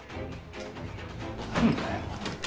何だよ。